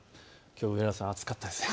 きょう、上原さん暑かったですね。